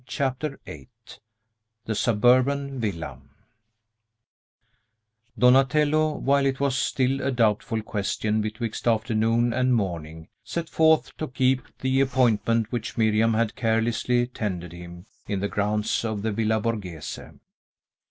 CHAPTER VIII THE SUBURBAN VILLA Donatello, while it was still a doubtful question betwixt afternoon and morning, set forth to keep the appointment which Miriam had carelessly tendered him in the grounds of the Villa Borghese.